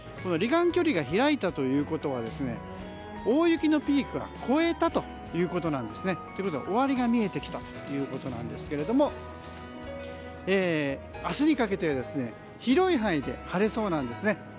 離岸距離が開いたということは大雪のピークは越えたということなんですね。ということは終わりが見えてきたということなんですが明日にかけて広い範囲で晴れそうなんですね。